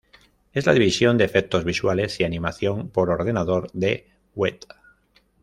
Es la división de efectos visuales y animación por ordenador de Weta.